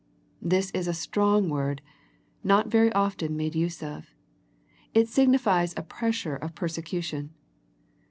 This is a strong word, not very often made use of. It signifies a pressure of persecution.